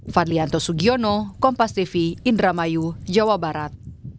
fadlianto sugiono kompas tv indramayu jawa barat